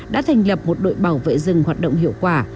đã thành lập một đội bảo vệ rừng hoạt động hiệu quả